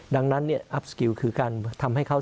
ดังนั้นเนี่ยอัพสกิลคือการทำให้เขา